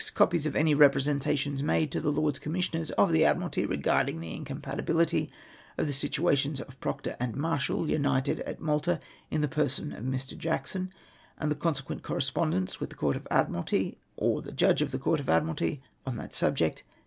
Copies of any representations made to the Lords Commissioners of the Admiralty regarding the incompatibility of the situations of Proctor and Marshal, united at Malta in the person of Mr. Jackson, and the con sequent correspondence with the Court of Admiralt}^, or the Judge of the Court of Admiralty, on that subject.